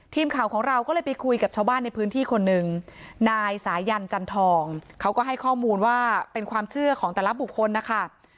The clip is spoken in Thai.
ทีมข่าวของเราก็เลยไปคุยกับชาวบ้านในพื้นที่คนหนึ่งนายสายันจันทองเขาก็ให้ข้อมูลว่าเป็นความเชื่อของแต่ละบุคคลนะคะ